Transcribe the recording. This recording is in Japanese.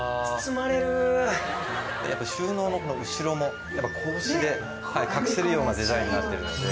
収納の後ろも格子で隠せるようなデザインになってるので。